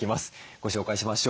ご紹介しましょう。